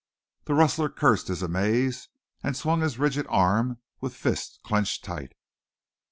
The rustler cursed his amaze and swung his rigid arm with fist clenched tight.